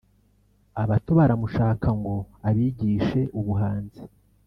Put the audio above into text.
abato baramushaka ngo abigishe ubuhanzi